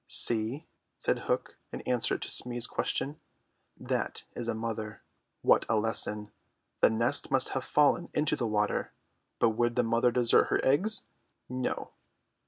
"See," said Hook in answer to Smee's question, "that is a mother. What a lesson! The nest must have fallen into the water, but would the mother desert her eggs? No."